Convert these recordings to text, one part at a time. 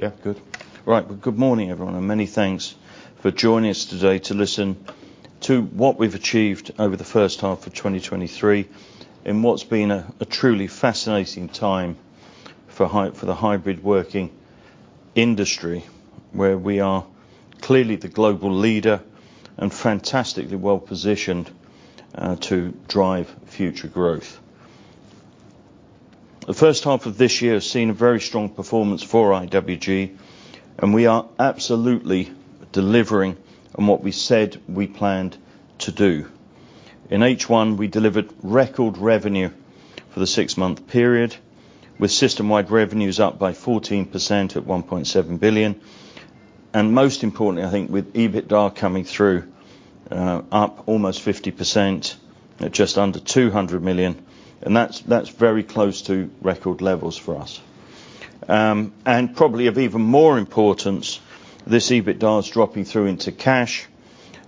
Yeah. Good. Right. Well, good morning, everyone, and many thanks for joining us today to listen to what we've achieved over the first half of 2023, in what's been a, a truly fascinating time for the hybrid working industry, where we are clearly the global leader and fantastically well-positioned to drive future growth. The first half of this year has seen a very strong performance for IWG. We are absolutely delivering on what we said we planned to do. In H1, we delivered record revenue for the six-month period, with system-wide revenues up by 14% at 1.7 billion. Most importantly, I think with EBITDA coming through, up almost 50% at just under 200 million, and that's, that's very close to record levels for us. Probably of even more importance, this EBITDA is dropping through into cash,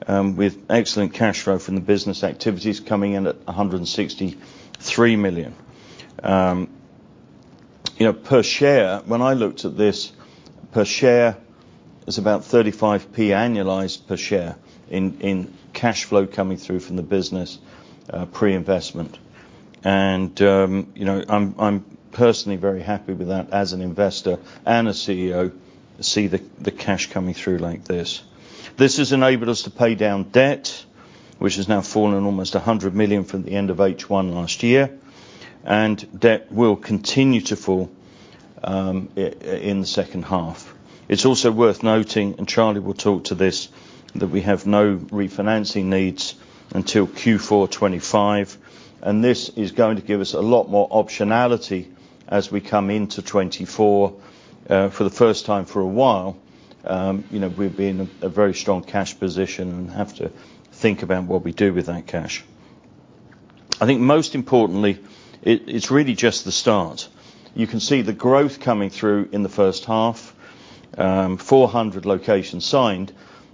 with excellent cash flow from the business activities coming in at 163 million. You know, per share, when I looked at this, per share, is about 35p annualized per share in, in cash flow coming through from the business, pre-investment. You know, I'm, I'm personally very happy with that as an investor and a CEO, to see the, the cash coming through like this. This has enabled us to pay down debt, which has now fallen almost 100 million from the end of H1 last year, and debt will continue to fall in the second half. It's also worth noting, and Charlie will talk to this, that we have no refinancing needs until Q4 2025, and this is going to give us a lot more optionality as we come into 2024. For the first time for a while, you know, we've been in a very strong cash position and have to think about what we do with that cash. I think most importantly, it, it's really just the start. You can see the growth coming through in the first half, 400 locations signed.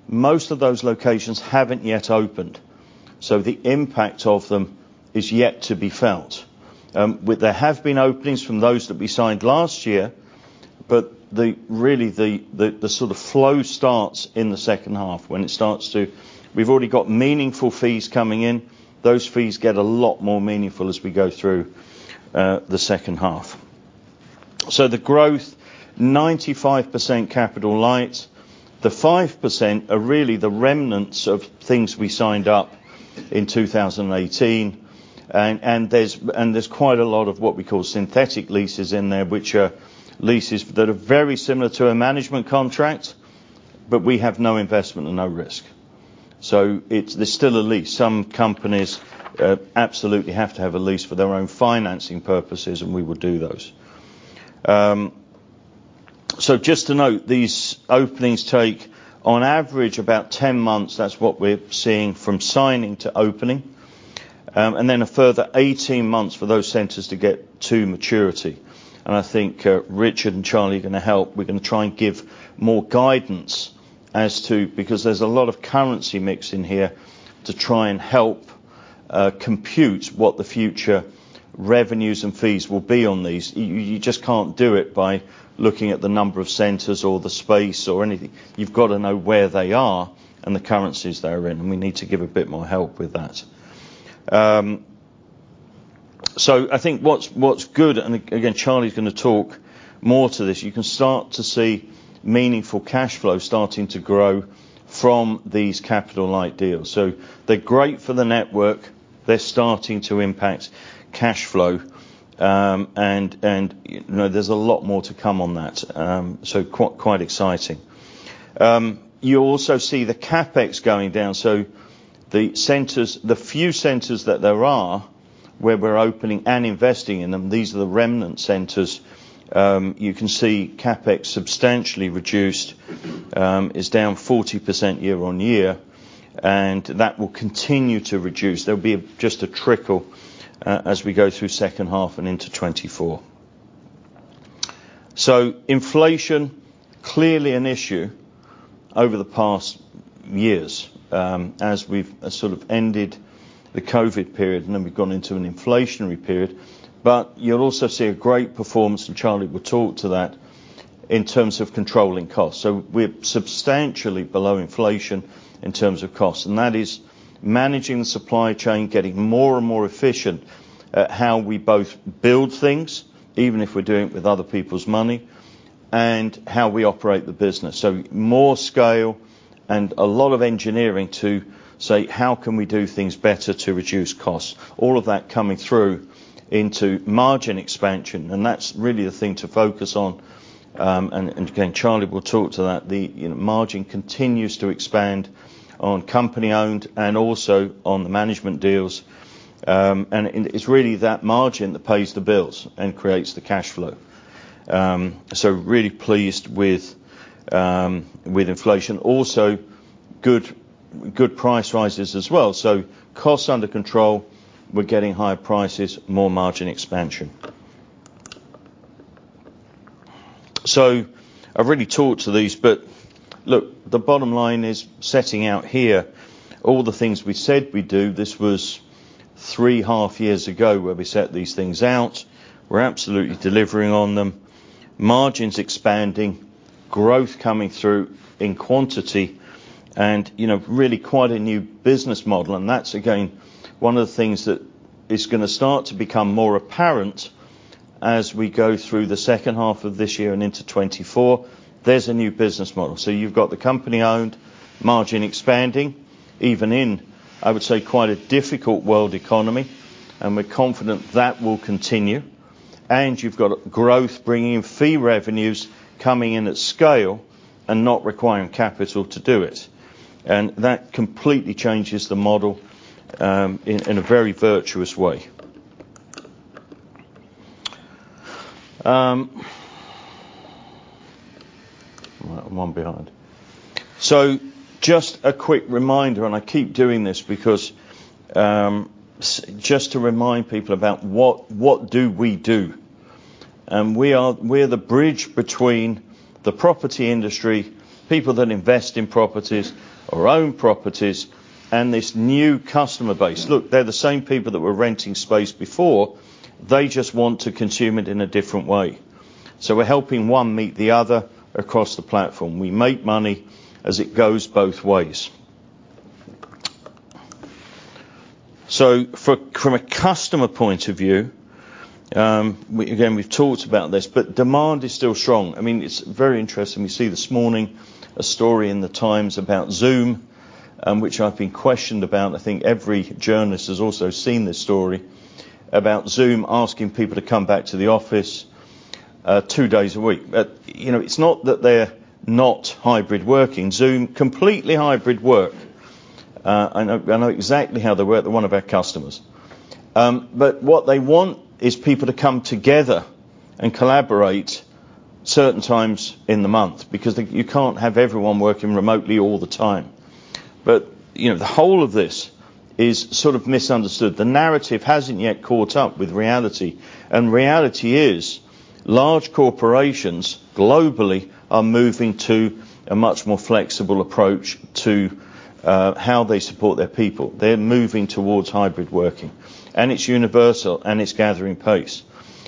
Most of those locations haven't yet opened, so the impact of them is yet to be felt. There have been openings from those that we signed last year, but the really, the, the, the sort of flow starts in the second half when it starts to... We've already got meaningful fees coming in. Those fees get a lot more meaningful as we go through, the second half. The growth, 95% capital light. The 5% are really the remnants of things we signed up in 2018, and, and there's, and there's quite a lot of what we call synthetic leases in there, which are leases that are very similar to a management contract, but we have no investment and no risk. It's-- there's still a lease. Some companies, absolutely have to have a lease for their own financing purposes, and we will do those. Just to note, these openings take, on average, about 10 months. That's what we're seeing from signing to opening, and then a further 18 months for those centers to get to maturity. I think, Richard and Charlie are gonna help. We're gonna try and give more guidance as to. There's a lot of currency mix in here to try and help compute what the future revenues and fees will be on these. Y-you just can't do it by looking at the number of centers or the space or anything. You've got to know where they are and the currencies they're in, and we need to give a bit more help with that. I think what's, what's good, and again, Charlie is gonna talk more to this, you can start to see meaningful cash flow starting to grow from these capital light deals. They're great for the network. They're starting to impact cash flow, and, and, you know, there's a lot more to come on that. Quite exciting. You also see the CapEx going down, so the centers, the few centers that there are where we're opening and investing in them, these are the remnant centers. You can see CapEx substantially reduced, is down 40% year-on-year, and that will continue to reduce. There'll be just a trickle as we go through second half and into 2024. Inflation, clearly an issue over the past years, as we've sort of ended the COVID period, and then we've gone into an inflationary period. You'll also see a great performance, and Charlie will talk to that, in terms of controlling costs. We're substantially below inflation in terms of cost, and that is managing the supply chain, getting more and more efficient at how we both build things, even if we're doing it with other people's money, and how we operate the business. More scale and a lot of engineering to say: How can we do things better to reduce costs? All of that coming through into margin expansion, and that's really the thing to focus on. Again, Charlie will talk to that. You know, margin continues to expand on company-owned and also on the management deals. It's really that margin that pays the bills and creates the cash flow. Really pleased with inflation. Also, good, good price rises as well. Costs under control, we're getting higher prices, more margin expansion. I've already talked to these, but look, the bottom line is setting out here all the things we said we'd do. This was three half years ago where we set these things out. We're absolutely delivering on them. Margins expanding, growth coming through in quantity and, you know, really quite a new business model, and that's again, one of the things that is gonna start to become more apparent as we go through the second half of this year and into 2024. There's a new business model. You've got the company-owned margin expanding, even in, I would say, quite a difficult world economy, and we're confident that will continue. You've got growth bringing in fee revenues coming in at scale and not requiring capital to do it. That completely changes the model, in a very virtuous way. I'm one behind. Just a quick reminder, and I keep doing this because, just to remind people about what, what do we do? We are- we're the bridge between the property industry, people that invest in properties or own properties, and this new customer base. Look, they're the same people that were renting space before. They just want to consume it in a different way. We're helping one meet the other across the platform. We make money as it goes both ways. From a customer point of view, we, again, we've talked about this, but demand is still strong. I mean, it's very interesting. We see this morning a story in The Times about Zoom, which I've been questioned about. I think every journalist has also seen this story about Zoom asking people to come back to the office, two days a week. You know, it's not that they're not hybrid working. Zoom, completely hybrid work. I know, I know exactly how they work. They're one of our customers. What they want is people to come together and collaborate certain times in the month because they... You can't have everyone working remotely all the time. You know, the whole of this is sort of misunderstood. The narrative hasn't yet caught up with reality, and reality is large corporations globally are moving to a much more flexible approach to, how they support their people. They're moving towards hybrid working, and it's universal, and it's gathering pace.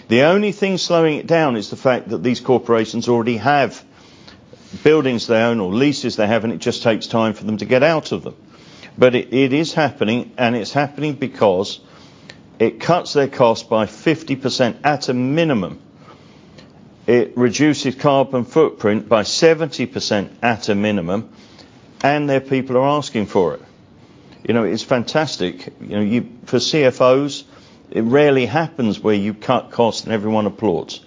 The only thing slowing it down is the fact that these corporations already have buildings they own or leases they have, and it just takes time for them to get out of them. It, it is happening, and it's happening because it cuts their cost by 50% at a minimum. It reduces carbon footprint by 70% at a minimum, and their people are asking for it. You know, it's fantastic. You know, for CFOs, it rarely happens where you cut costs and everyone applauds.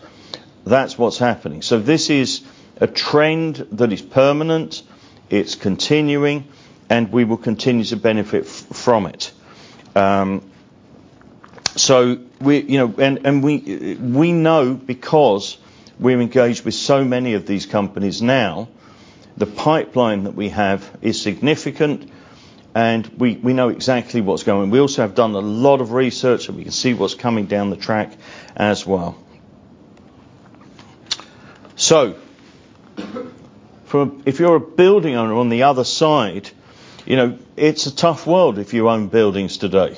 That's what's happening. This is a trend that is permanent, it's continuing, and we will continue to benefit from it. We, you know, and, and we know because we're engaged with so many of these companies now, the pipeline that we have is significant, and we, we know exactly what's going on. We also have done a lot of research, and we can see what's coming down the track as well. For if you're a building owner on the other side, you know, it's a tough world if you own buildings today.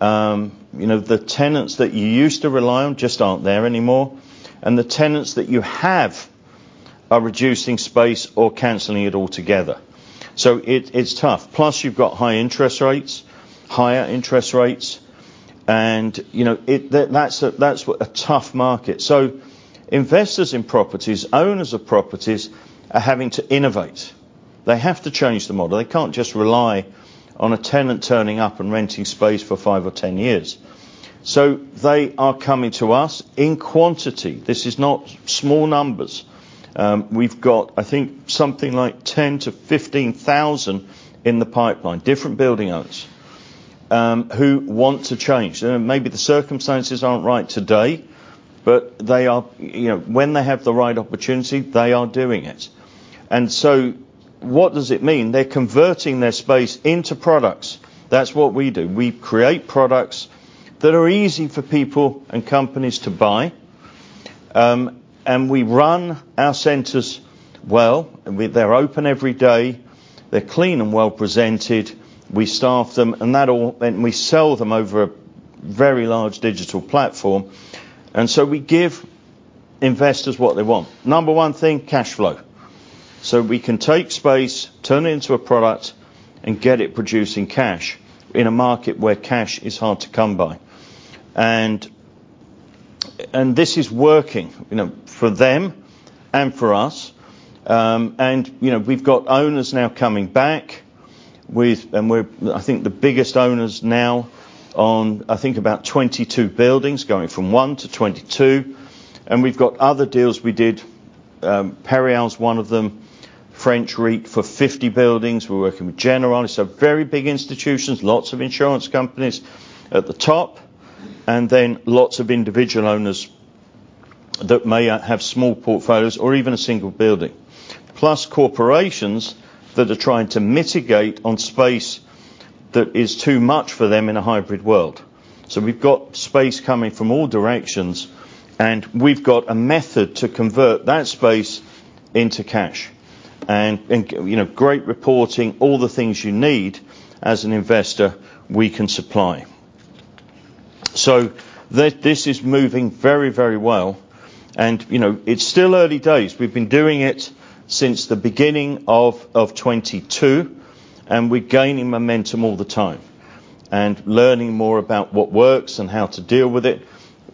You know, the tenants that you used to rely on just aren't there anymore, and the tenants that you have are reducing space or canceling it altogether. It, it's tough. Plus, you've got high interest rates, higher interest rates, and, you know, it, that, that's a, that's what a tough market. Investors in properties, owners of properties, are having to innovate. They have to change the model. They can't just rely on a tenant turning up and renting space for five or 10 years. They are coming to us in quantity. This is not small numbers. We've got, I think, something like 10,000-15,000 in the pipeline, different building owners who want to change. Maybe the circumstances aren't right today, but they are. You know, when they have the right opportunity, they are doing it. So what does it mean? They're converting their space into products. That's what we do. We create products that are easy for people and companies to buy. And we run our centers well, and they're open every day. They're clean and well-presented. We staff them and that all, and we sell them over a very large digital platform. So we give investors what they want. Number one thing, cash flow. So we can take space, turn it into a product, and get it producing cash in a market where cash is hard to come by. This is working, you know, for them and for us. You know, we've got owners now coming back. We're, I think, the biggest owners now on, I think, about 22 buildings, going from one to 22, and we've got other deals we did. PERIAL is one of them, French REIT for 50 buildings. We're working with Generali, so very big institutions, lots of insurance companies at the top, and then lots of individual owners that may have small portfolios or even a single building. Plus, corporations that are trying to mitigate on space that is too much for them in a hybrid world. We've got space coming from all directions, and we've got a method to convert that space into cash.... You know, great reporting, all the things you need as an investor, we can supply. This is moving very, very well. You know, it's still early days. We've been doing it since the beginning of 2022, and we're gaining momentum all the time and learning more about what works and how to deal with it.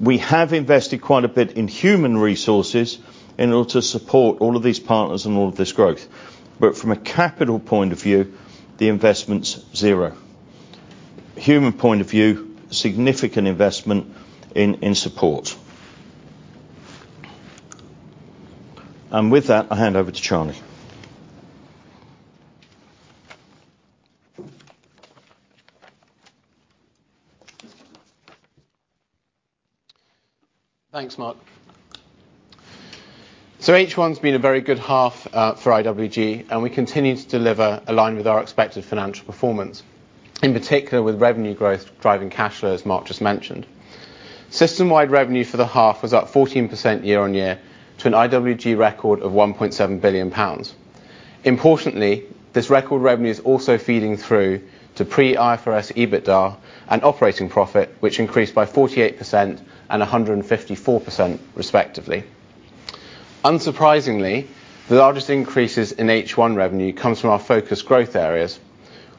We have invested quite a bit in human resources in order to support all of these partners and all of this growth. From a capital point of view, the investment's zero. Human point of view, significant investment in support. With that, I'll hand over to Charlie. Thanks, Mark. H1's been a very good half for IWG, and we continue to deliver aligned with our expected financial performance, in particular with revenue growth driving cash flow, as Mark just mentioned. System-wide revenue for the half was up 14% year-on-year to an IWG record of 1.7 billion pounds. Importantly, this record revenue is also feeding through to pre-IFRS EBITDA and operating profit, which increased by 48% and 154% respectively. Unsurprisingly, the largest increases in H1 revenue comes from our focused growth areas,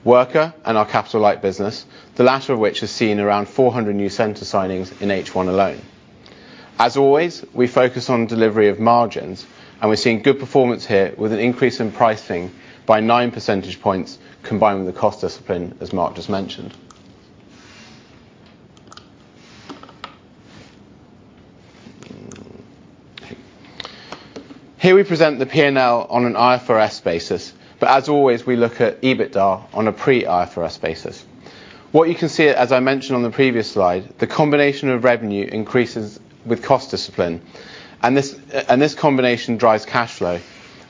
Worka and our capital light business, the latter of which has seen around 400 new center signings in H1 alone. As always, we focus on delivery of margins, and we're seeing good performance here with an increase in pricing by 9% points, combined with the cost discipline, as Mark just mentioned. Here we present the P&L on an IFRS basis. As always, we look at EBITDA on a pre-IFRS basis. What you can see, as I mentioned on the previous slide, the combination of revenue increases with cost discipline, and this and this combination drives cash flow.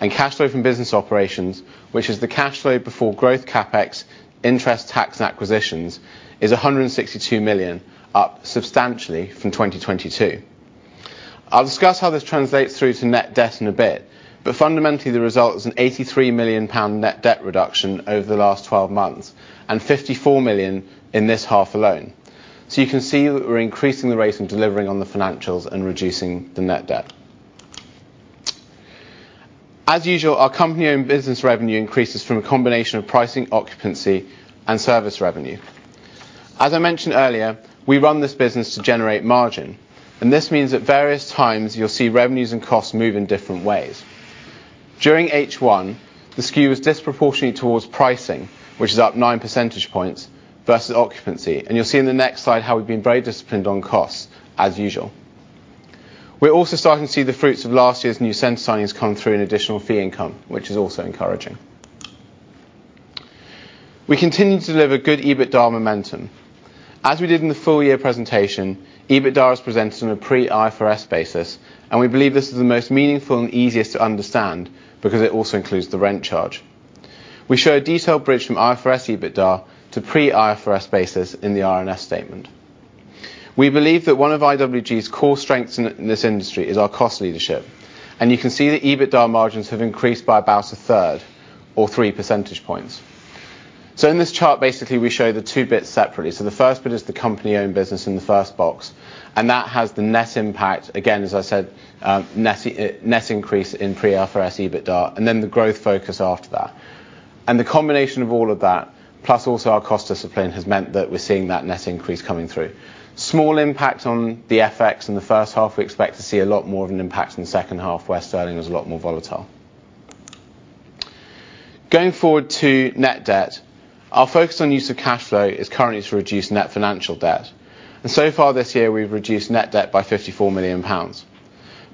Cash flow from business operations, which is the cash flow before growth CapEx, interest, tax, and acquisitions, is 162 million, up substantially from 2022. I'll discuss how this translates through to net debt in a bit. Fundamentally, the result is a 83 million pound net debt reduction over the last 12 months, and 54 million in this half alone. You can see that we're increasing the rate and delivering on the financials and reducing the net debt. As usual, our company-owned business revenue increases from a combination of pricing, occupancy, and service revenue. As I mentioned earlier, we run this business to generate margin, this means at various times you'll see revenues and costs move in different ways. During H1, the SKU was disproportionate towards pricing, which is up 9% points versus occupancy. You'll see in the next slide how we've been very disciplined on costs, as usual. We're also starting to see the fruits of last year's new center signings come through in additional fee income, which is also encouraging. We continue to deliver good EBITDA momentum. As we did in the full year presentation, EBITDA is presented on a pre-IFRS basis, we believe this is the most meaningful and easiest to understand because it also includes the rent charge. We show a detailed bridge from IFRS EBITDA to pre-IFRS basis in the RNS statement. We believe that one of IWG's core strengths in, in this industry is our cost leadership, and you can see the EBITDA margins have increased by about a third or 3% points. In this chart, basically, we show the two bits separately. The first bit is the company-owned business in the first box, and that has the net impact, again, as I said, net, net increase in pre-IFRS EBITDA, and then the growth focus after that. The combination of all of that, plus also our cost discipline, has meant that we're seeing that net increase coming through. Small impact on the FX in the first half. We expect to see a lot more of an impact in the second half, where sterling is a lot more volatile. Going forward to net debt, our focus on use of cash flow is currently to reduce net financial debt. So far this year, we've reduced net debt by 54 million pounds.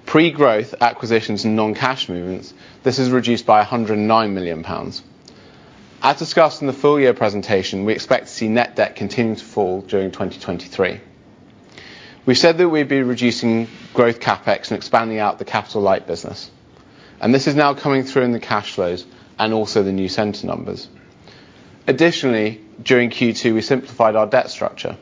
Pre-growth acquisitions and non-cash movements, this is reduced by 109 million pounds. As discussed in the full year presentation, we expect to see net debt continuing to fall during 2023. We've said that we'd be reducing growth CapEx and expanding out the capital light business. This is now coming through in the cash flows and also the new center numbers. Additionally, during Q2, we simplified our debt structure.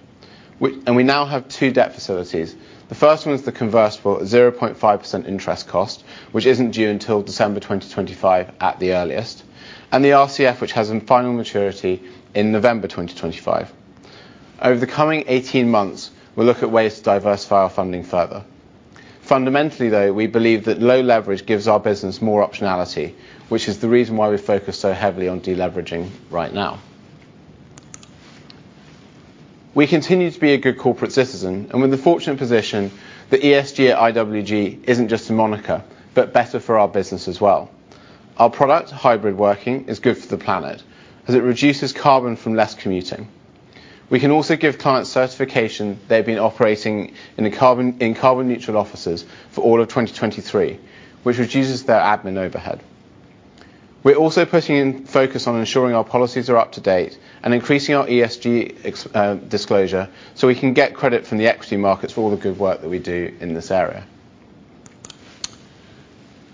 We now have two debt facilities. The first one is the convertible 0.5% interest cost, which isn't due until December 2025 at the earliest. The RCF, which has a final maturity in November 2025. Over the coming 18 months, we'll look at ways to diversify our funding further. Fundamentally, though, we believe that low leverage gives our business more optionality, which is the reason why we focus so heavily on deleveraging right now. We continue to be a good corporate citizen and with the fortunate position that ESG at IWG isn't just a moniker, but better for our business as well. Our product, hybrid working, is good for the planet as it reduces carbon from less commuting. We can also give clients certification they've been operating in a carbon in carbon neutral offices for all of 2023, which reduces their admin overhead. We're also putting in focus on ensuring our policies are up to date and increasing our ESG disclosure, so we can get credit from the equity markets for all the good work that we do in this area.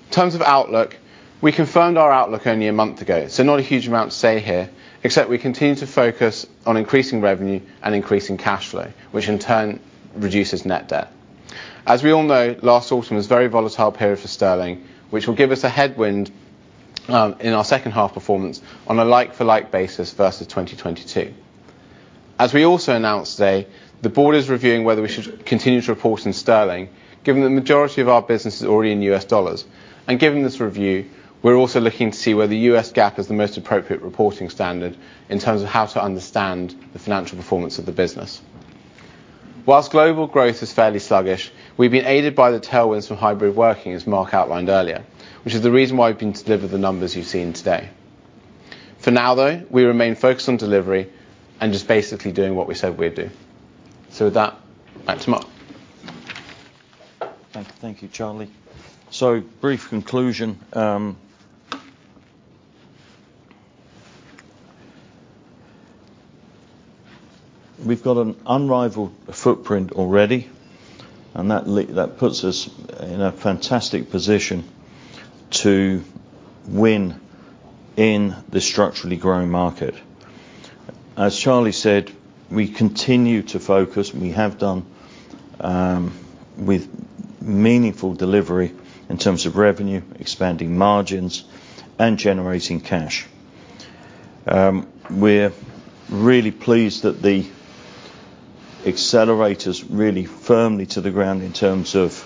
In terms of outlook, we confirmed our outlook only a month ago, so not a huge amount to say here, except we continue to focus on increasing revenue and increasing cash flow, which in turn reduces net debt. As we all know, last autumn was very volatile period for sterling, which will give us a headwind in our second half performance on a like for like basis versus 2022. As we also announced today, the board is reviewing whether we should continue to report in sterling, given the majority of our business is already in US dollars. Given this review, we're also looking to see whether US GAAP is the most appropriate reporting standard in terms of how to understand the financial performance of the business. Whilst global growth is fairly sluggish, we've been aided by the tailwinds from hybrid working, as Mark outlined earlier, which is the reason why we've been able to deliver the numbers you've seen today. For now, though, we remain focused on delivery and just basically doing what we said we'd do. With that, back to Mark. Thank you, Charlie. Brief conclusion. We've got an unrivaled footprint already, and that puts us in a fantastic position to win in the structurally growing market. As Charlie said, we continue to focus, and we have done, with meaningful delivery in terms of revenue, expanding margins, and generating cash. We're really pleased that the accelerator's really firmly to the ground in terms of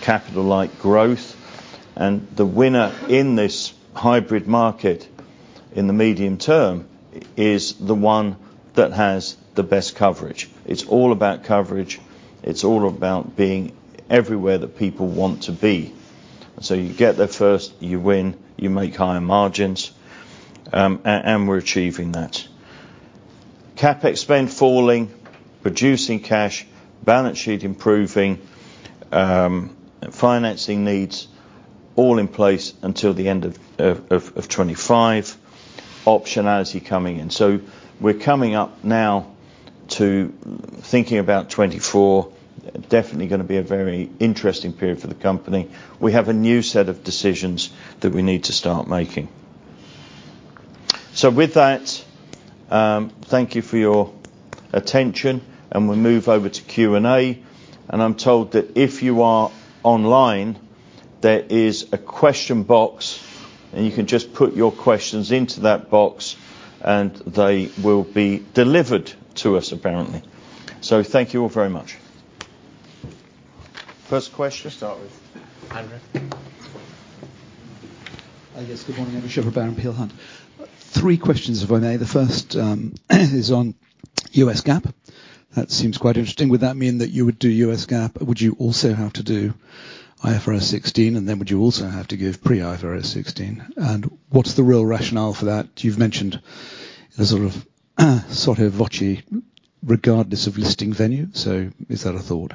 capital-light growth, and the winner in this hybrid market, in the medium term, is the one that has the best coverage. It's all about coverage. It's all about being everywhere that people want to be. You get there first, you win, you make higher margins, and we're achieving that. CapEx spend falling, producing cash, balance sheet improving, financing needs all in place until the end of 25. Optionality coming in. We're coming up now to thinking about 2024. Definitely going to be a very interesting period for the company. We have a new set of decisions that we need to start making. With that, thank you for your attention, and we'll move over to Q&A. I'm told that if you are online, there is a question box, and you can just put your questions into that box, and they will be delivered to us, apparently. Thank you all very much. First question. Start with Andrew. Hi, guys. Good morning, everybody. I'm Peel Hunt. Three questions, if I may. The first is on US GAAP. That seems quite interesting. Would that mean that you would do US GAAP? Would you also have to do IFRS 16, and then would you also have to give pre-IFRS 16? What's the real rationale for that? You've mentioned a sort of sotto voce, regardless of listing venue, so is that a thought?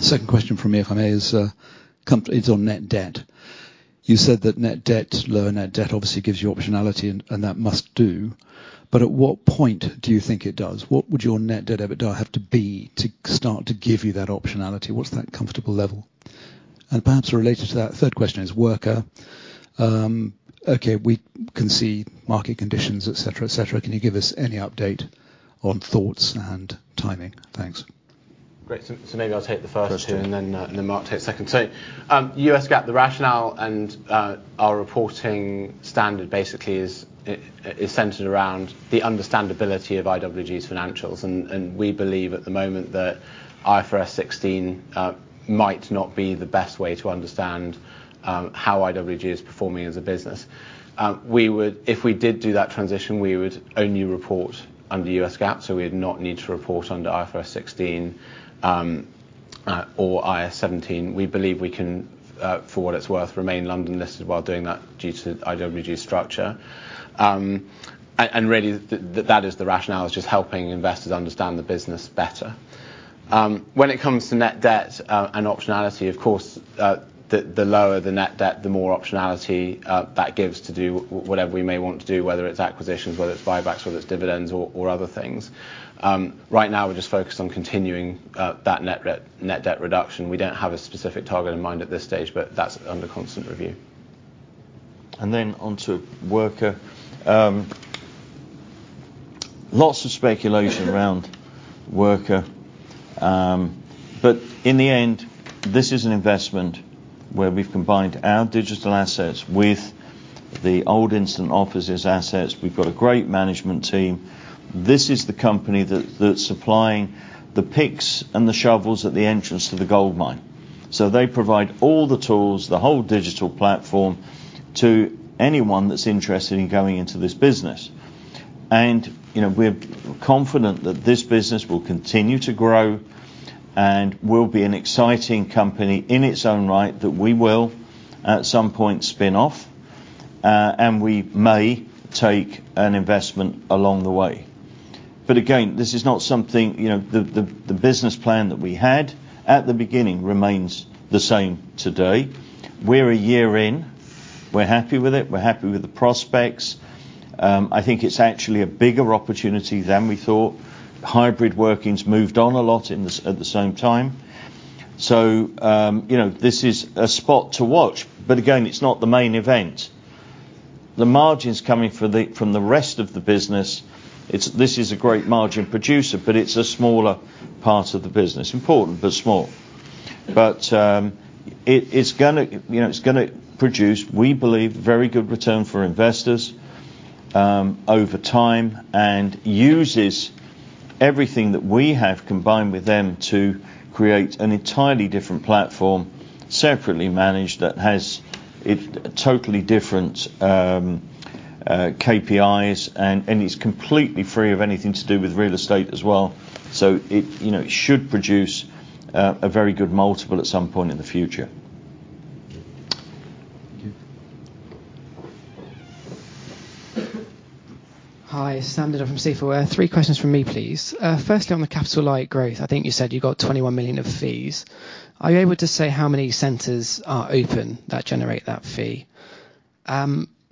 Second question from me, if I may, is on net debt. You said that net debt, lower net debt, obviously gives you optionality, and, and that must do. At what point do you think it does? What would your net debt/EBITDA have to be to start to give you that optionality? What's that comfortable level? Perhaps related to that, third question is Worka. Okay, we can see market conditions, et cetera, et cetera. Can you give us any update on thoughts and timing? Thanks. Great. so maybe I'll take the first two- Sure. Mark take the second. US GAAP, the rationale and our reporting standard basically is, it's centered around the understandability of IWG's financials. We believe at the moment that IFRS 16 might not be the best way to understand how IWG is performing as a business. If we did do that transition, we would only report under US GAAP, so we would not need to report under IFRS 16 or IAS 17. We believe we can, for what it's worth, remain London-listed while doing that due to the IWG structure. Really, that is the rationale, is just helping investors understand the business better. When it comes to net debt, and optionality, of course, the, the lower the net debt, the more optionality, that gives to do whatever we may want to do, whether it's acquisitions, whether it's buybacks, whether it's dividends or, or other things. Right now, we're just focused on continuing, that net debt, net debt reduction. We don't have a specific target in mind at this stage, but that's under constant review. Then on to Worka. Lots of speculation around Worka, but in the end, this is an investment where we've combined our digital assets with the old Instant Offices assets. We've got a great management team. This is the company that, that's supplying the picks and the shovels at the entrance to the gold mine. They provide all the tools, the whole digital platform, to anyone that's interested in going into this business. You know, we're confident that this business will continue to grow and will be an exciting company in its own right, that we will, at some point, spin off, and we may take an investment along the way. Again, this is not something, you know... The, the, the business plan that we had at the beginning remains the same today. We're a year in. We're happy with it. We're happy with the prospects. I think it's actually a bigger opportunity than we thought. Hybrid working's moved on a lot in this, at the same time. You know, this is a spot to watch, but again, it's not the main event. The margins coming for the, from the rest of the business, this is a great margin producer, but it's a smaller part of the business. Important, but small. It, it's gonna, you know, it's gonna produce, we believe, very good return for investors, over time, and uses everything that we have combined with them to create an entirely different platform, separately managed, that has totally different KPIs, and, and is completely free of anything to do with real estate as well. it, you know, it should produce a very good multiple at some point in the future. Thank you. Hi, Standard from Seaflower. Three questions from me, please. Firstly, on the capital light growth, I think you said you got 21 million of fees. Are you able to say how many centers are open that generate that fee?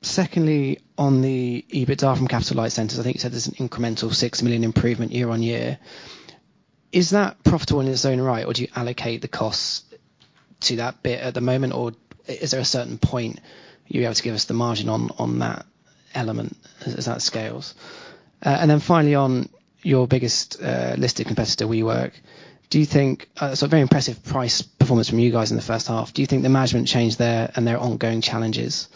Secondly, on the EBITDA from capital light centers, I think you said there's an incremental 6 million improvement year-on-year. Is that profitable in its own right, or do you allocate the costs to that bit at the moment, or is there a certain point you'll be able to give us the margin on, on that element as, as that scales? Finally, on your biggest listed competitor, WeWork, do you think... so very impressive price performance from you guys in the first half. Do you think the management change there and their ongoing challenges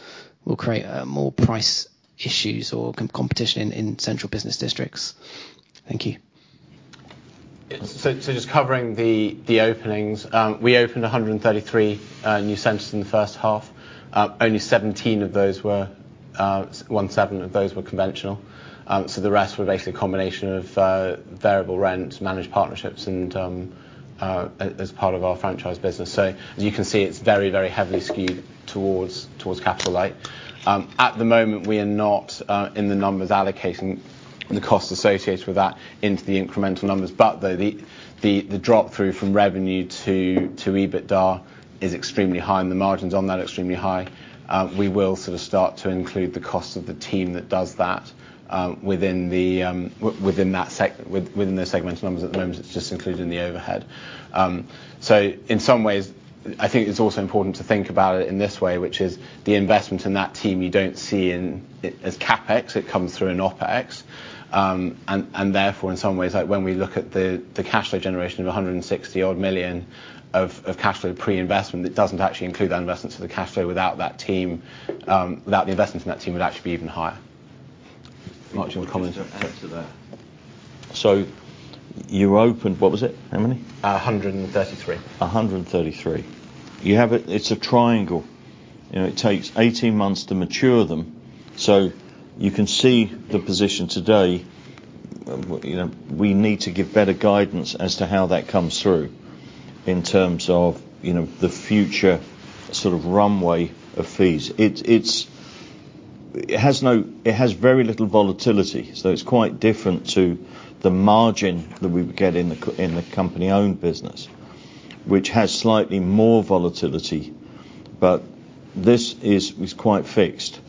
will create more price issues or competition in, in central business districts? Thank you. So just covering the openings. We opened 133 new centers in the first half. Only 17 of those were, 17 of those were conventional. The rest were basically a combination of variable rent, managed partnerships, and as part of our franchise business. You can see it's very, very heavily skewed towards capital light. At the moment, we are not in the numbers allocating the costs associated with that into the incremental numbers, but though, the drop-through from revenue to EBITDA is extremely high, and the margins on that are extremely high. We will sort of start to include the cost of the team that does that within the segment numbers. At the moment, it's just included in the overhead. In some ways, I think it's also important to think about it in this way, which is the investment in that team you don't see in, as CapEx, it comes through in OpEx. Therefore, in some ways, like, when we look at the, the cash flow generation of 160 million of, of cash flow pre-investment, that doesn't actually include that investment. The cash flow without that team, without the investment from that team, would actually be even higher. Much you want to comment or add to that? You opened, what was it, how many? Uh, 133. 133. You have a It's a triangle, you know, it takes 18 months to mature them. You can see the position today, you know, we need to give better guidance as to how that comes through in terms of, you know, the future sort of runway of fees. It's, it has very little volatility, so it's quite different to the margin that we would get in the company-owned business, which has slightly more volatility, but this is, is quite fixed.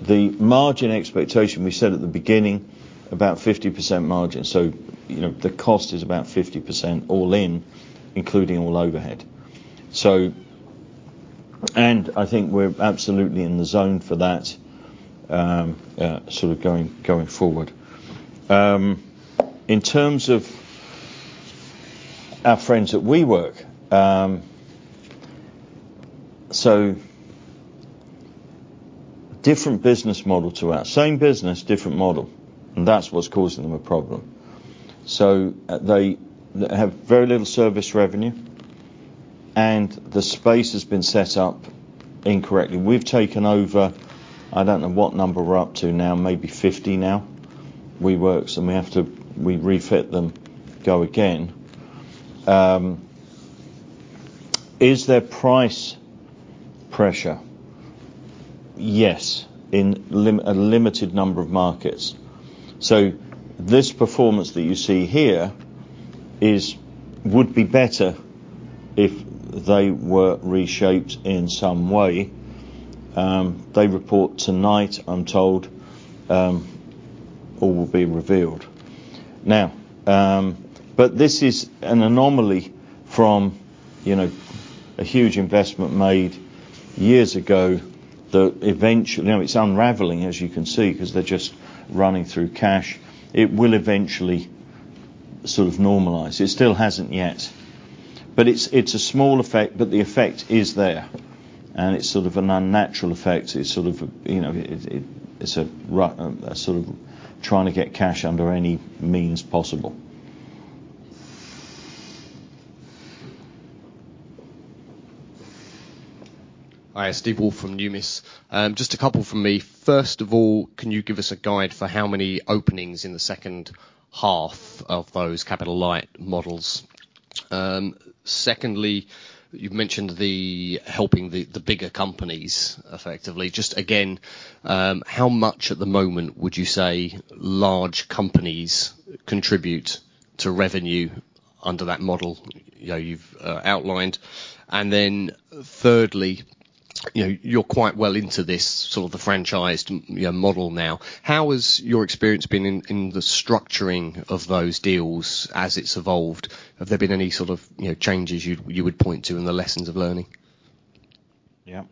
The margin expectation, we said at the beginning, about 50% margin, so, you know, the cost is about 50% all in, including all overhead. I think we're absolutely in the zone for that sort of going, going forward. In terms of our friends at WeWork, different business model to us. Same business, different model, and that's what's causing them a problem. They have very little service revenue, and the space has been set up incorrectly. We've taken over, I don't know what number we're up to now, maybe 50 now, WeWork, and we have to refit them, go again. Is there price pressure? Yes, in a limited number of markets. This performance that you see here is would be better if they were reshaped in some way. They report tonight, I'm told, all will be revealed. But this is an anomaly from, you know, a huge investment made years ago, that eventually. Now, it's unraveling, as you can see, 'cause they're just running through cash. It will eventually sort of normalize. It still hasn't yet, but it's, it's a small effect, but the effect is there, and it's sort of an unnatural effect. It's sort of a, you know, it, it, it's a sort of trying to get cash under any means possible. Hi, Steve Woolf from Numis. Just a couple from me. First of all, can you give us a guide for how many openings in the second half of those capital light models? Secondly, you've mentioned the helping the, the bigger companies effectively. Just again, how much at the moment would you say large companies contribute to revenue under that model, you know, you've outlined? Then thirdly, you know, you're quite well into this sort of the franchised, you know, model now. How has your experience been in, in the structuring of those deals as it's evolved? Have there been any sort of, you know, changes you'd, you would point to in the lessons of learning? Yep.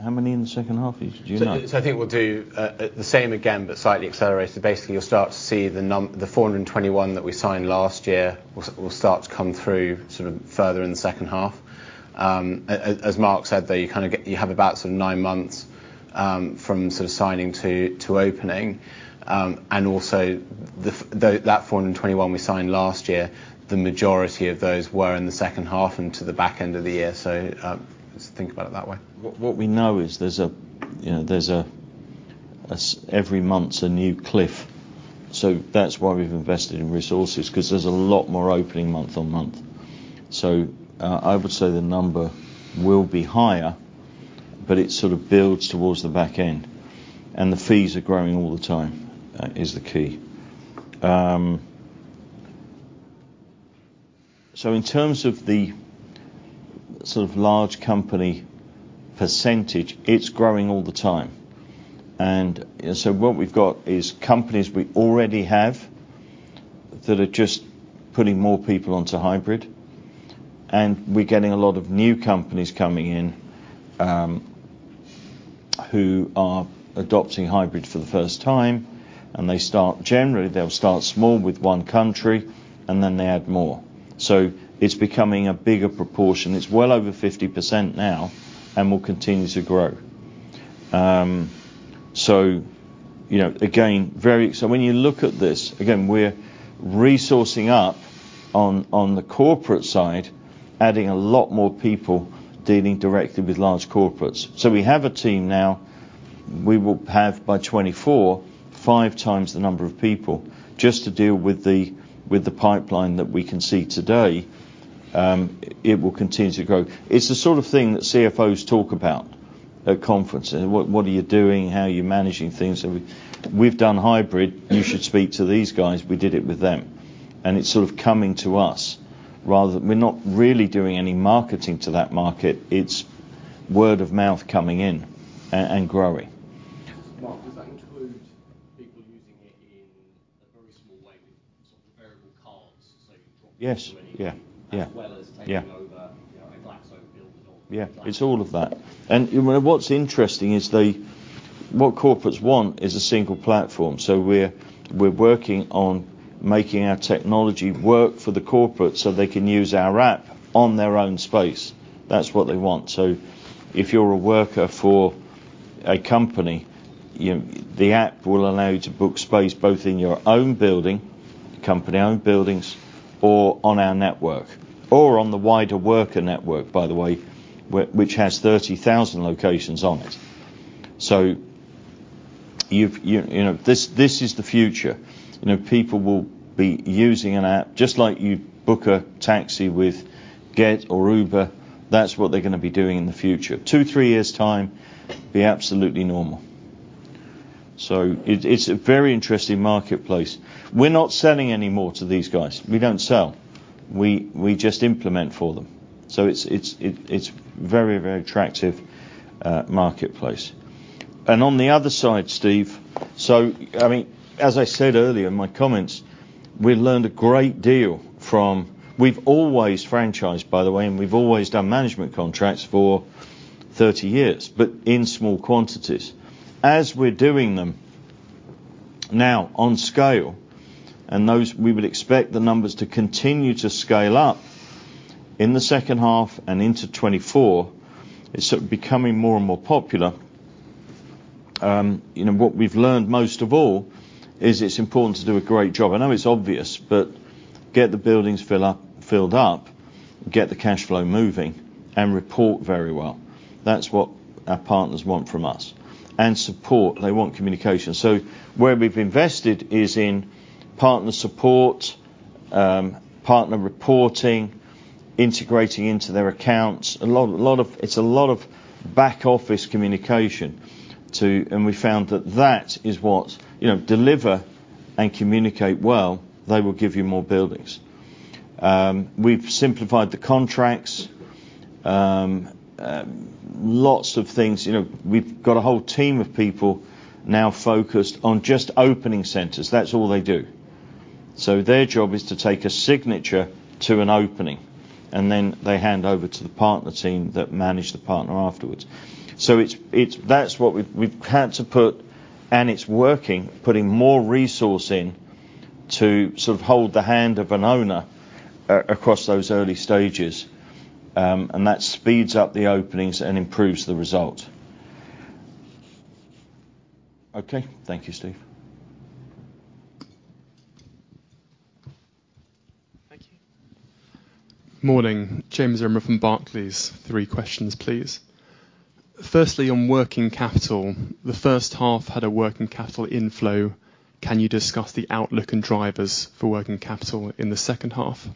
How many in the second half, do you know? I think we'll do the same again, but slightly accelerated. Basically, you'll start to see the 421 that we signed last year, will, will start to come through sort of further in the second half. As Mark said, that you kind of have about some nine months from sort of signing to, to opening. And also the, that 421 we signed last year, the majority of those were in the second half and to the back end of the year, so just think about it that way. What, what we know is there's a, you know, there's a, as every month's a new cliff, so that's why we've invested in resources, 'cause there's a lot more opening month-over-month. I would say the number will be higher, but it sort of builds towards the back end, and the fees are growing all the time, is the key. In terms of the sort of large company percentage, it's growing all the time. What we've got is companies we already have that are just putting more people onto hybrid, and we're getting a lot of new companies coming in, who are adopting hybrid for the first time, and they generally, they'll start small with one country, and then they add more. It's becoming a bigger proportion. It's well over 50% now and will continue to grow. you know, again, very... When you look at this, again, we're resourcing up on, on the corporate side, adding a lot more people dealing directly with large corporates. We have a team now, we will have by 2024, five times the number of people, just to deal with the, with the pipeline that we can see today. It will continue to grow. It's the sort of thing that CFOs talk about at conferences. "What, what are you doing? How are you managing things? So we've done hybrid. You should speak to these guys. We did it with them." It's sort of coming to us rather than... We're not really doing any marketing to that market. It's word of mouth coming in, and growing. Mark, does that include people using it in a very small way, with sort of variable costs, so-? Yes. Yeah, yeah. As well as taking over, you know, a glass oak building? Yeah, it's all of that. You know, what's interesting is what corporates want is a single platform. We're working on making our technology work for the corporates, so they can use our app on their own space. That's what they want. If you're a worker for a company, the app will allow you to book space, both in your own building, company-owned buildings, or on our network, or on the wider worker network, by the way, which has 30,000 locations on it. You know, this is the future. You know, people will be using an app, just like you book a taxi with Gett or Uber. That's what they're gonna be doing in the future. Two, three years' time, be absolutely normal. It's a very interesting marketplace. We're not selling any more to these guys. We don't sell. We, we just implement for them. It's, it's, it, it's very, very attractive marketplace. On the other side, Steve, so I mean, as I said earlier in my comments, we learned a great deal from... We've always franchised, by the way, and we've always done management contracts for 30 years, but in small quantities. As we're doing them now on scale, and those, we would expect the numbers to continue to scale up in the second half and into 2024, it's sort of becoming more and more popular. You know, what we've learned most of all, is it's important to do a great job. I know it's obvious, but get the buildings fill up, filled up, get the cash flow moving, and report very well. That's what our partners want from us. Support, they want communication. Where we've invested is in partner support, partner reporting, integrating into their accounts. It's a lot of back office communication, too, and we found that, that is what, you know, deliver and communicate well, they will give you more buildings. We've simplified the contracts. Lots of things, you know, we've got a whole team of people now focused on just opening centers. That's all they do. Their job is to take a signature to an opening, and then they hand over to the partner team that manage the partner afterwards. That's what we've had to put, and it's working, putting more resourcing to sort of hold the hand of an owner across those early stages, and that speeds up the openings and improves the result. Okay. Thank you, Steve. Thank you. Morning, James Zaremba from Barclays. Three questions, please. Firstly, on working capital, the first half had a working capital inflow. Can you discuss the outlook and drivers for working capital in the second half?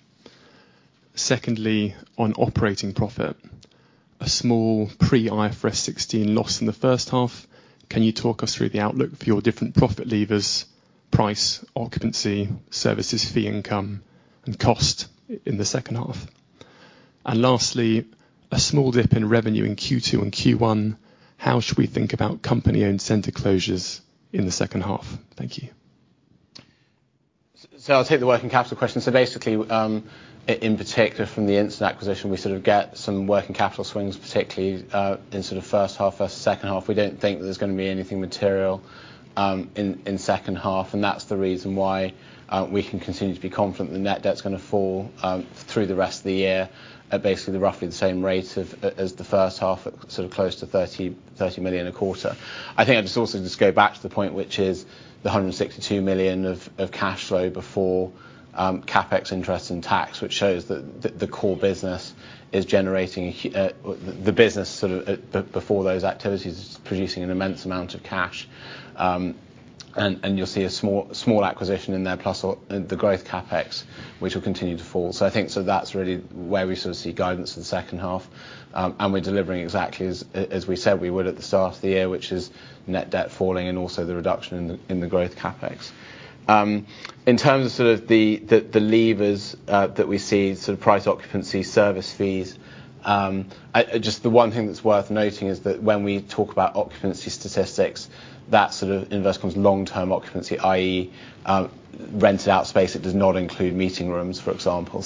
Secondly, on operating profit, a small pre-IFRS 16 loss in the first half, can you talk us through the outlook for your different profit levers: price, occupancy, services fee income, and cost in the second half? Lastly, a small dip in revenue in Q2 and Q1, how should we think about company-owned center closures in the second half? Thank you. I'll take the working capital question. Basically, in particular, from the Instant acquisition, we sort of get some working capital swings, particularly, in sort of first half, second half. We don't think there's gonna be anything material, in, in second half, and that's the reason why, we can continue to be confident the net debt's gonna fall, through the rest of the year at basically roughly the same rate as the first half, sort of close to 30 million a quarter. I think I'll just also just go back to the point, which is the 162 million of, of cash flow before, CapEx interest and tax, which shows that the, the core business is generating the business sort of, before those activities, is producing an immense amount of cash. You'll see a small, small acquisition in there, plus the growth CapEx, which will continue to fall. I think, that's really where we sort of see guidance in the second half. We're delivering exactly as, as we said we would at the start of the year, which is net debt falling and also the reduction in the, in the growth CapEx. In terms of sort of the, the, the levers that we see, sort of price occupancy, service fees, just the one thing that's worth noting is that when we talk about occupancy statistics, that sort of invest comes long-term occupancy, i.e., rented out space. It does not include meeting rooms, for example.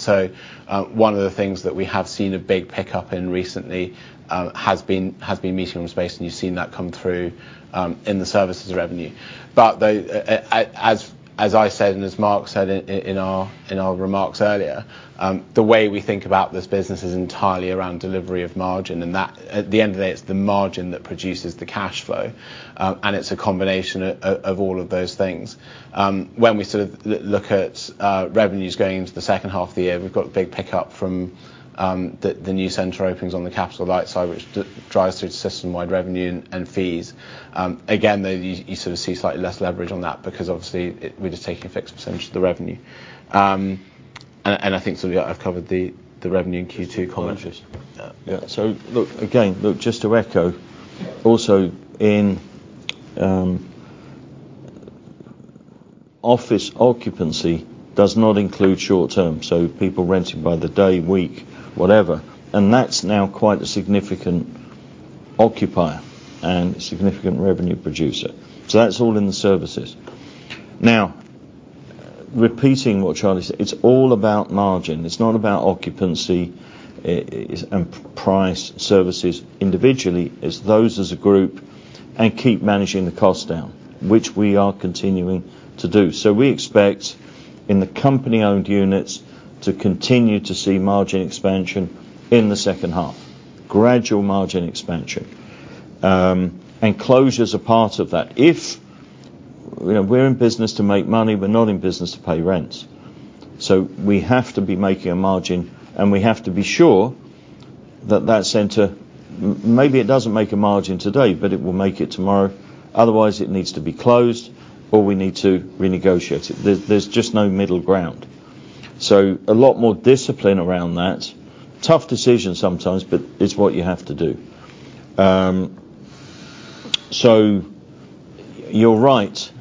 One of the things that we have seen a big pickup in recently has been, has been meeting room space, and you've seen that come through in the services revenue. The as, as I said, and as Mark said in, in our, in our remarks earlier, the way we think about this business is entirely around delivery of margin, and at the end of the day, it's the margin that produces the cash flow. It's a combination of, of all of those things. When we sort of look at revenues going into the second half of the year, we've got a big pickup from the, the new center openings on the capital light side, which drives through the system-wide revenue and, and fees. Again, though, you, you sort of see slightly less leverage on that because obviously, we're just taking a fixed percentage of the revenue. I think, sort of, I've covered the, the revenue in Q2 comments. Yeah. Look, again, look, just to echo, also in, office occupancy does not include short-term, so people renting by the day, week, whatever, and that's now quite a significant occupier and significant revenue producer. That's all in the services. Now, repeating what Charlie said, it's all about margin. it, and price, services individually, it's those as a group, and keep managing the cost down, which we are continuing to do. We expect, in the company-owned units, to continue to see margin expansion in the second half, gradual margin expansion. And closures are part of that. You know, we're in business to make money, we're not in business to pay rent. We have to be making a margin, and we have to be sure that that center, maybe it doesn't make a margin today, but it will make it tomorrow. Otherwise, it needs to be closed, or we need to renegotiate it. There's, there's just no middle ground. A lot more discipline around that. Tough decision sometimes, but it's what you have to do. You're right,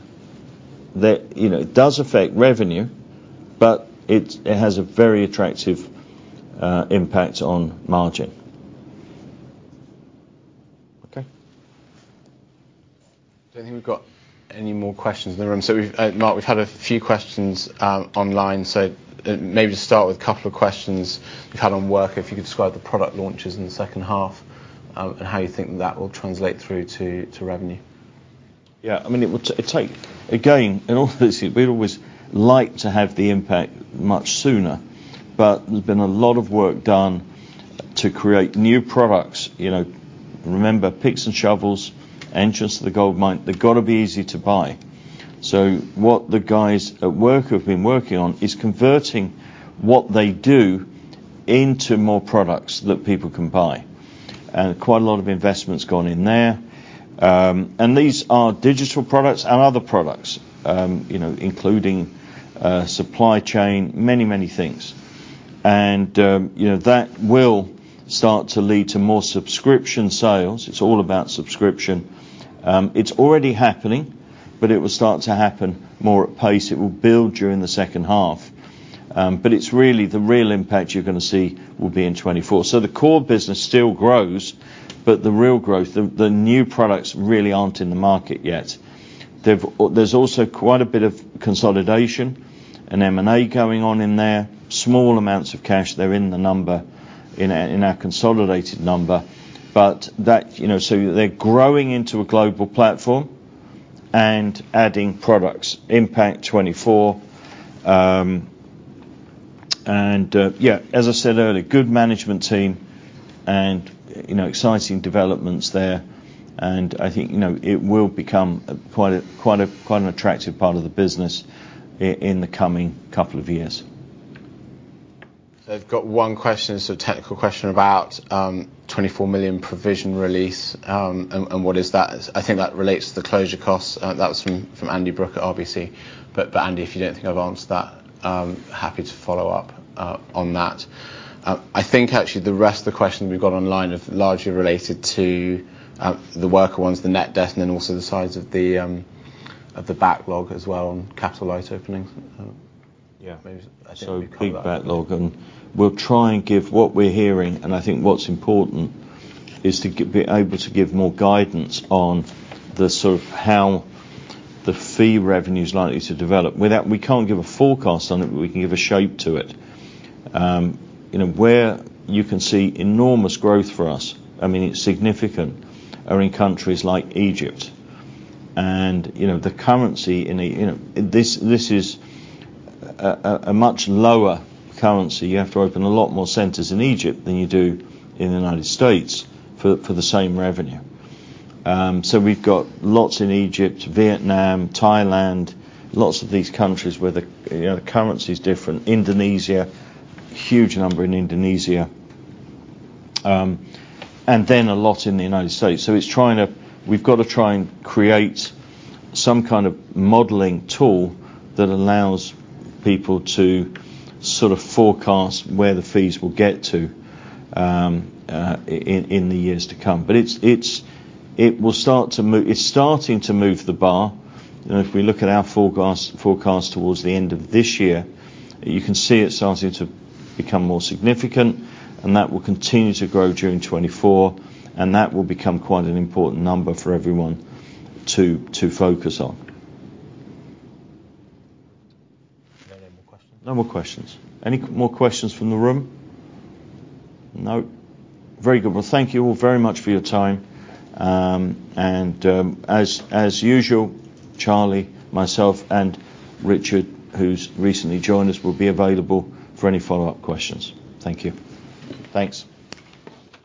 that, you know, it does affect revenue, but it has a very attractive impact on margin. Okay. I don't think we've got any more questions in the room. We've, Mark, we've had a few questions online, maybe just start with a couple of questions. We've had on Worka, if you could describe the product launches in the second half, and how you think that will translate through to, to revenue. Yeah, I mean, it will take. Again, obviously, we'd always like to have the impact much sooner, there's been a lot of work done to create new products. You know, remember, picks and shovels, entrance to the gold mine, they've got to be easy to buy. What the guys at Worka have been working on is converting what they do into more products that people can buy. Quite a lot of investment's gone in there. These are digital products and other products, you know, including supply chain, many, many things. You know, that will start to lead to more subscription sales. It's all about subscription. It's already happening, but it will start to happen more at pace. It will build during the second half. It's really, the real impact you're gonna see will be in 2024. The core business still grows, but the real growth, the, the new products really aren't in the market yet. There's also quite a bit of consolidation and M&A going on in there. Small amounts of cash, they're in the number, in our, in our consolidated number, but that, you know, so they're growing into a global platform and adding products. Impact, 24. Yeah, as I said earlier, good management team and, you know, exciting developments there, and I think, you know, it will become quite a, quite a, quite an attractive part of the business in the coming couple of years. I've got one question, it's a technical question about 24 million provision release, and what is that? I think that relates to the closure costs. That was from Andy Brooke at RBC. Andy, if you don't think I've answered that, I'm happy to follow up on that. I think actually the rest of the questions we've got online are largely related to the Worka ones, the net debt, and then also the size of the backlog as well on capital light openings. Yeah. Maybe, I think we've covered that. Big backlog, and we'll try and give what we're hearing, and I think what's important is to be able to give more guidance on the sort of how the fee revenue is likely to develop. We can't give a forecast on it, but we can give a shape to it. You know, where you can see enormous growth for us, I mean, it's significant, are in countries like Egypt. You know, the currency in, you know, this, this is a, a, a much lower currency. You have to open a lot more centers in Egypt than you do in the United States for, for the same revenue. We've got lots in Egypt, Vietnam, Thailand, lots of these countries where the, you know, the currency is different. Indonesia, huge number in Indonesia, then a lot in the United States. We've got to try and create some kind of modeling tool that allows people to sort of forecast where the fees will get to in the years to come. It's starting to move the bar. You know, if we look at our forecast, forecast towards the end of this year, you can see it's starting to become more significant. That will continue to grow during 2024, and that will become quite an important number for everyone to, to focus on. Are there any more questions? No more questions. Any more questions from the room? No. Very good. Well, thank you all very much for your time. As usual, Charlie, myself, and Richard, who's recently joined us, will be available for any follow-up questions. Thank you. Thanks.